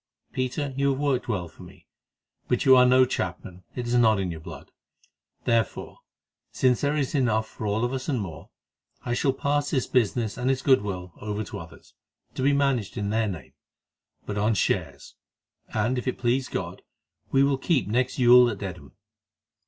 Peter, you have worked well for me, but you are no chapman; it is not in your blood. Therefore, since there is enough for all of us and more, I shall pass this business and its goodwill over to others, to be managed in their name, but on shares, and if it please God we will keep next Yule at Dedham."